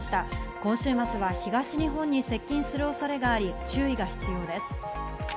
今週末は東日本に接近する恐れがあり、注意が必要です。